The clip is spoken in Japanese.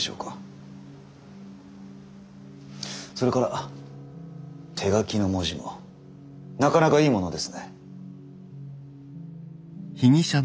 それから手書きの文字もなかなかいいものですね。